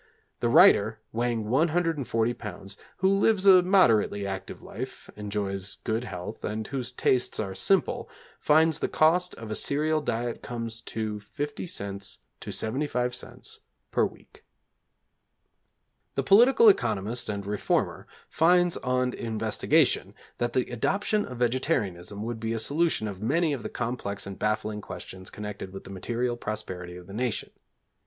The writer, weighing 140 lbs., who lives a moderately active life, enjoys good health, and whose tastes are simple, finds the cost of a cereal diet comes to 50c. to 75c. per week. The political economist and reformer finds on investigation, that the adoption of vegetarianism would be a solution of many of the complex and baffling questions connected with the material prosperity of the nation.